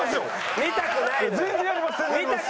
見たくないのよ。